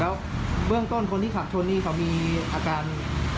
แล้วเบื้องต้นคนที่ขับชนนี่เขามีอาการมีบาดเจ็บไหมคะ